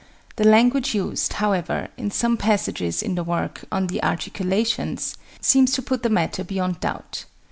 The language used, however, in some passages in the work "On the Articulations," seems to put the matter beyond doubt.